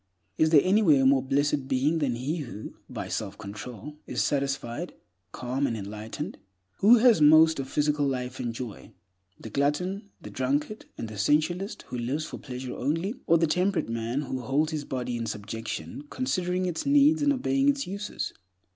Is there anywhere a more blessed being than he who, by self control, is satisfied, calm, and enlightened? Who has most of physical life and joy—the glutton, the drunkard, and the sensualist who lives for pleasure only, or the temperate man who holds his body in subjection, considering its needs and obeying its uses?